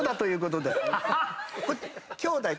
きょうだい。